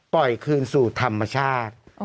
ปล่อยคืนสู่ธรรมชาติ